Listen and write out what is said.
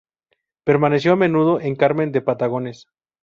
Permaneció a menudo en Carmen de Patagones.